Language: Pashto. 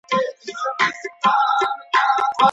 قلمي خط د ټولني د پرمختګ څرخ ګرځوي.